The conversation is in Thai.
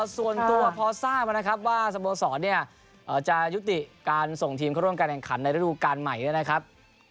ส่วนตัวพอทราบนะครับว่าสโมสรเนี่ยจะยุติการส่งทีมเข้าร่วมการแข่งขันในระดูการใหม่ด้วยนะครับ